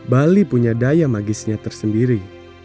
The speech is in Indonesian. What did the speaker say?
bali punya daya magisnya tersendiri